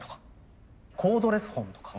コードレスフォンとか。